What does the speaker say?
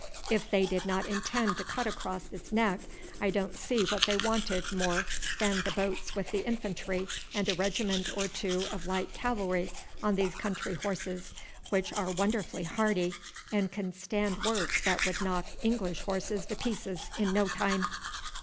If they did not intend to cut across this neck, I don't see what they wanted more than the boats with the infantry and a regiment or two of light cavalry on these country horses, which are wonderfully hardy and can stand work that would knock English horses to pieces in no time."